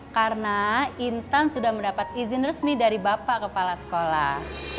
karena intan sudah mendapat izin resmi dari bapak kepala sekolah